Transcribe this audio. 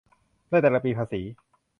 ในแต่ละปีภาษี